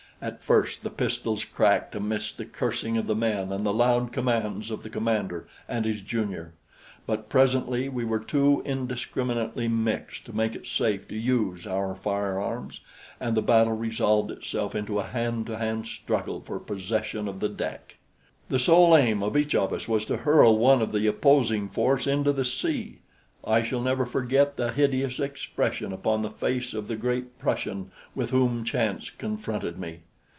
At first the pistols cracked amidst the cursing of the men and the loud commands of the commander and his junior; but presently we were too indiscriminately mixed to make it safe to use our firearms, and the battle resolved itself into a hand to hand struggle for possession of the deck. The sole aim of each of us was to hurl one of the opposing force into the sea. I shall never forget the hideous expression upon the face of the great Prussian with whom chance confronted me.